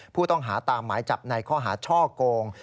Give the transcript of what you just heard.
ผู้ต้องหาตามหมายจับในข้อหาช่อโกง